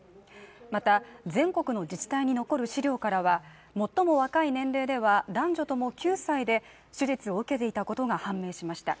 また、全国の自治体に残る資料からは最も若い年齢では男女とも９歳で手術を受けていたことが判明しました。